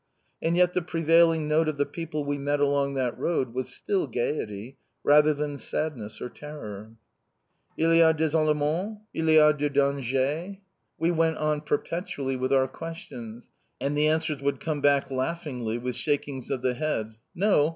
And yet the prevailing note of the people we met along that road was still gaiety, rather than sadness or terror. "Il y a des Allemands?" "Il y a de danger?" We went on perpetually with our questions, and the answers would come back laughingly with shakings of the head. "No!